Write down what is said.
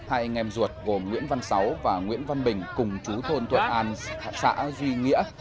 hai anh em ruột gồm nguyễn văn sáu và nguyễn văn bình cùng chú thôn thuận an xã duy nghĩa